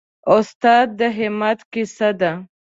استاد د همت کیسه ده.